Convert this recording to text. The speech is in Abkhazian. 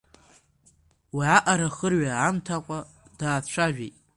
Уи аҟара хырҩа амҭакәа даацәажәеит…